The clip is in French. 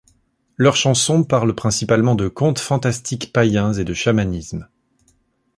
Leurs chansons parlent principalement de contes fantastiques païens et de chamanisme.